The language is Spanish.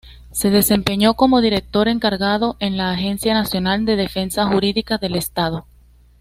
Se desempeñó como director encargado de la Agencia Nacional de Defensa Jurídica del Estado.